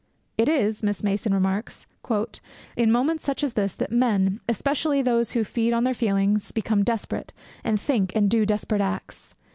'It is,' Miss Masson remarks, 'in moments such as this that men, especially those who feed on their feelings, become desperate, and think and do desperate acts.